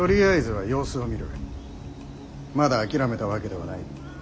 まだ諦めたわけではない。